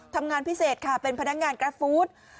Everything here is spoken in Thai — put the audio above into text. ทำงานพิเศษค่ะเป็นพนักงานกราฟฟู้ด